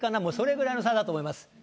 もうそれぐらいの差だと思います。